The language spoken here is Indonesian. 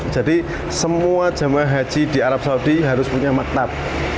jadi semua jemaah haji di arab saudi harus punya maktab